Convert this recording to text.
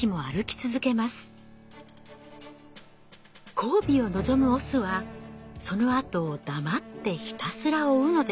交尾を望むオスはそのあとを黙ってひたすら追うのです。